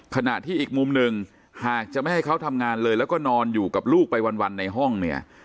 ขณะที่อีกมุมหนึ่งหากจะไม่ให้เขาทำงานเลยแล้วก็นอนอยู่กับลูกไปวันในห้องเนี่ย